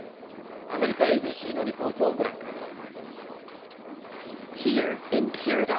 アメリカＡＢＣのリポートをご覧ください。